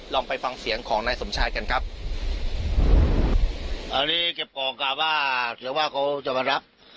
ลองไปฟังเสียงของนายสมชายกันครับเอาดีเก็บกล่องไงว่าเหลือว่าก็จะมารับ